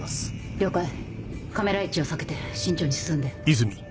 了解カメラ位置を避けて慎重に進んで。